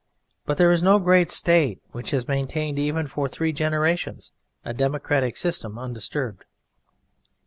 But there is no great State which has maintained even for three generations a democratic system undisturbed.